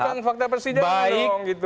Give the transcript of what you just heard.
bukan fakta persidangan bohong gitu